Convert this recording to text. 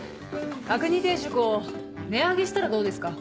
角煮定食を値上げしたらどうですか？